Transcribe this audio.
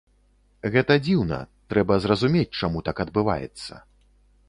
Гэта дзіўна, трэба зразумець, чаму так адбываецца.